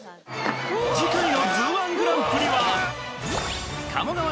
次回の「ＺＯＯ−１グランプリ」は鴨川